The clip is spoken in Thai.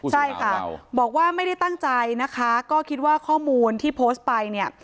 ใช่ค่ะบอกว่าไม่ได้ตั้งใจนะคะก็คิดว่าข้อมูลที่โพสต์ไปเนี่ย